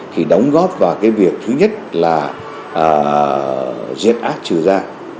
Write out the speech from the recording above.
thì đóng góp vào cái việc thứ nhất là giết ác trừ gian